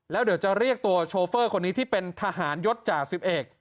แล้วเดี๋ยวจะเรียกตัวโชเฟอร์คนนี้ที่เป็นทหารยศจ่าสิบเอก